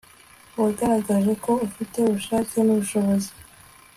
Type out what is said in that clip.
wagaragaje ko ufite ubushake n'ubushobozi